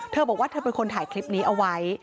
เธอบอกว่าเธอเป็นคนถ่ายคลิปนี้เอาไว้